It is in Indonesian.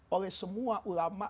oleh semua ulama